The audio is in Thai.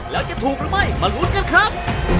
แล้วจะถูกหรือไม่มาลุ้นกันครับ